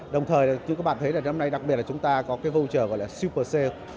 đồng thời như các bạn thấy là trong năm nay đặc biệt là chúng ta có cái voucher gọi là super sale